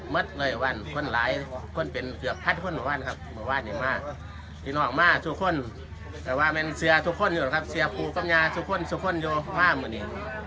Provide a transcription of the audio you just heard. มือว่านยังมากยังห่วงมากทุกคนแต่ว่ามันเสือทุกคนอยู่นะครับเสือครูกำญาทุกคนทุกคนอยู่มากมือนี้